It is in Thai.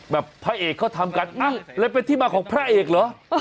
พระเอกเขาทำกันเลยเป็นที่มาของพระเอกเหรอ